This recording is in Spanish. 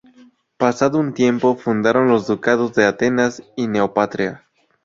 Pasado un tiempo fundaron los ducados de Atenas y Neopatria.